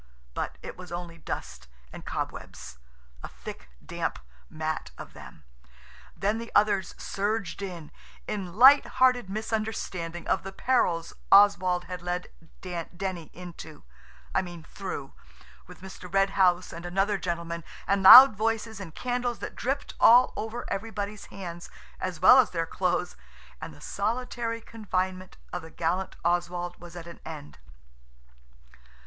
But it was only dust and cobwebs–a thick, damp mat of them. Then the others surged in, in light hearted misunderstanding of the perils Oswald had led Denny into–I mean through, with Mr. Red House and another gentleman, and loud voices and candles that dripped all over everybody's hands, as well as their clothes, and the solitary confinement of the gallant Oswald was at an end.